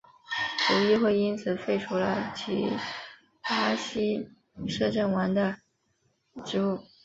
葡议会因此废黜了其巴西摄政王的职务。